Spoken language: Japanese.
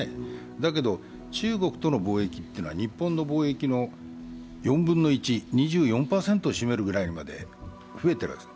だけど、中国との貿易というのは、日本の貿易の４分の１、２４％を占めるようになるまで増えているんです。